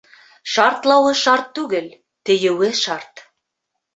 Шартлауы шарт түгел, тейеүе шарт.